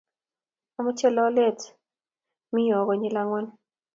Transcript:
Ameche lolet me oo konyil angwan nirani